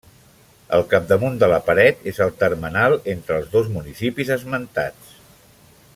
El capdamunt de la paret és el termenal entre els dos municipis esmentats.